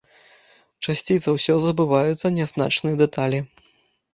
Часцей за ўсё забываюцца нязначныя дэталі.